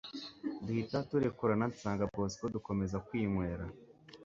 duhita turekurana nsanga bosco dukomeza kwinywera